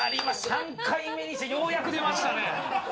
３回目にしてようやく出ましたね。